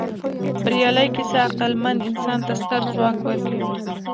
بریالۍ کیسه عقلمن انسان ته ستر ځواک ورکوي.